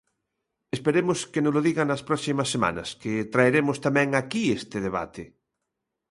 Esperemos que nolo digan nas próximas semanas, que traeremos tamén aquí este debate.